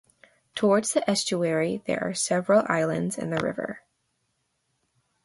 Towards the estuary there are several islands in the river.